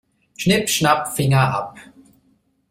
Schnipp-schnapp, Finger ab.